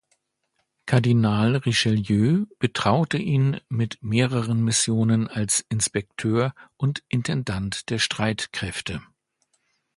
Kardinal Richelieu betraute ihn mit mehreren Missionen als Inspekteur und Intendant der Streitkräfte.